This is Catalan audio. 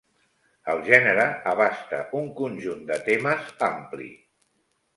El gènere abasta un conjunt de temes ampli.